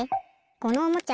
このおもちゃ